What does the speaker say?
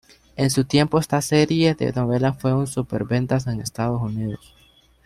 En su tiempo esta serie de novelas fue un "superventas" en Estados Unidos.